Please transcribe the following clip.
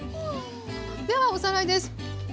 ではおさらいです。